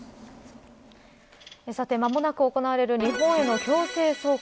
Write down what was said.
さて、間もなく行われる日本への強制送還